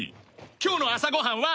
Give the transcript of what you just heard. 今日の朝ご飯は？